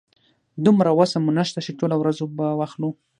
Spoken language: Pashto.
دومره وسه مو نشته چې ټوله ورځ اوبه واخلو.